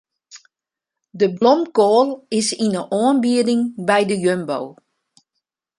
De blomkoal is yn de oanbieding by de Jumbo.